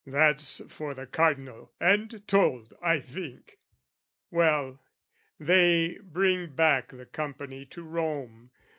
(That's for the Cardinal, and told, I think!) Well, they bring back the company to Rome.